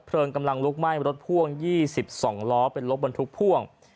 กำลังลุกไหม้รถพ่วง๒๒ล้อเป็นรถบรรทุกพ่วง